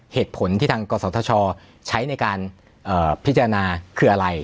เหตุผลที่ทางกศธชใช้ในการพิจารณาคืออะไร